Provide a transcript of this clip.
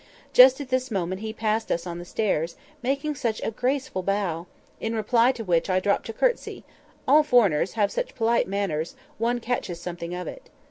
Just at this moment he passed us on the stairs, making such a graceful bow! in reply to which I dropped a curtsey—all foreigners have such polite manners, one catches something of it.